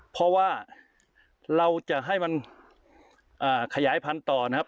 เพราะว่าเราจะให้มันขยายพันธุ์ต่อนะครับ